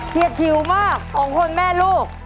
เทียดชิวมากของคนแม่ลูก